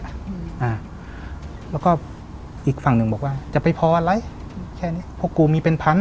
อ่าแล้วก็อีกฝั่งหนึ่งบอกว่าจะไปพออะไรแค่เนี้ยพวกกูมีเป็นพัน